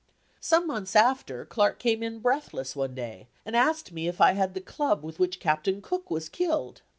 Some months after, Clark came in breathless one day, and asked me if I had the club with which Captain Cook was killed?